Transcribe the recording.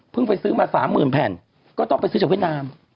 ไปซื้อมา๓๐๐๐แผ่นก็ต้องไปซื้อจากเวียดนาม